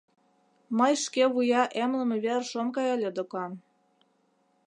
Мый шке вуя эмлыме верыш ом кай ыле докан.